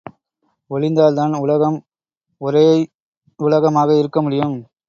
ஒழிந்தால் தான் உலகம் ஒரேயுலகமாக இருக்க முடியும்.